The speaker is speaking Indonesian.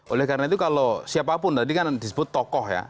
oleh karena itu kalau siapapun tadi kan disebut tokoh ya